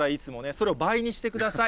それを倍にしてください。